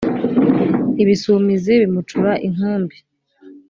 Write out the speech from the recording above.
ibisumizi bimucura inkumbi